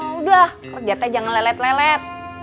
udah kerja teh jangan lelet lelet